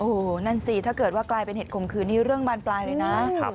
โอ้โหนั่นสิถ้าเกิดว่ากลายเป็นเหตุข่มขืนนี้เรื่องบานปลายเลยนะ